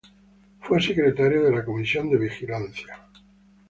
Fue secretario de la Comisión de Vigilancia.